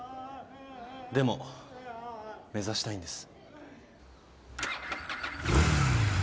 でも目指したいんです。